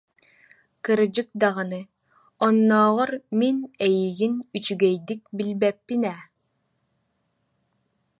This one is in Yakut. Кырдьык даҕаны, оннооҕор мин эйигин үчүгэйдик билбэппин ээ